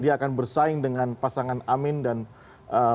dia akan bersaing dengan pasangan amin dan ganjar